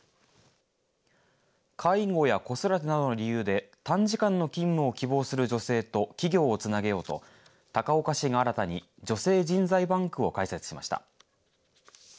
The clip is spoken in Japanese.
介護や子育てなどの理由で短時間の勤務を希望する女性と企業をつなげようと高岡市が新たに女性人材バンクを開設しました。